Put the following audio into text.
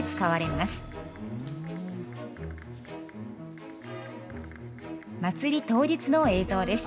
まつり当日の映像です。